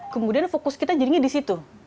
kemudian fokus kita jadinya di situ